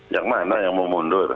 yang mana yang mau mundur